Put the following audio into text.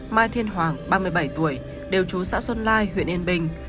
mai thiên hoàng ba mươi bảy tuổi đều chú xã xuân lai huyện yên bình